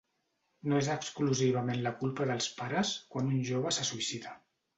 No és exclusivament la culpa dels pares, quan un jove se suïcida.